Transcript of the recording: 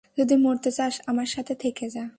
যদি মরতে চাস আমার সাথে থেকে যা।